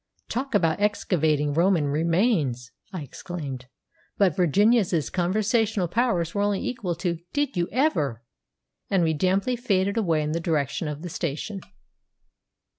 "Talk about excavating Roman remains!" I exclaimed; but Virginia's conversational powers were only equal to "Did you EVER!" And we damply faded away in the direction of the station.